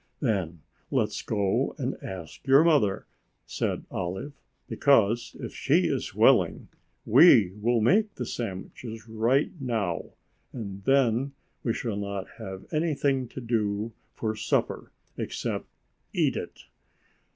"Then let's go and ask your mother," said Olive. "Because if she is willing, we will make the sandwiches right now, and then we shall not have anything to do for supper except eat it."